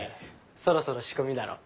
そろそろ仕込みだろ。